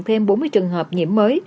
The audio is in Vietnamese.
thêm bốn mươi trường hợp nhiễm mới